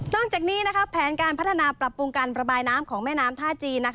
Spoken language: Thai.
จากนี้แผนการพัฒนาปรับปรุงการระบายน้ำของแม่น้ำท่าจีน